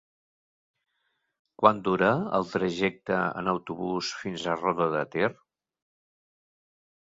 Quant dura el trajecte en autobús fins a Roda de Ter?